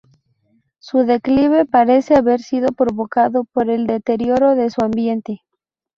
Su declive parece haber sido provocado por el deterioro de su ambiente.